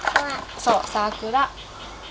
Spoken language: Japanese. そう、桜。